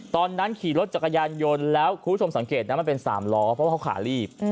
ตอนนั้นขี่รถจักรยานยนต์แล้วคุณผู้ชมสังเกตนะมันเป็น๓ล้อเพราะว่าเขาขาลีบ